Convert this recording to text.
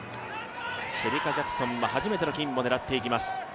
シェリカ・ジャクソンは初めての金を狙っていきます。